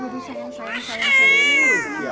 tiara sudah ambil cerita ya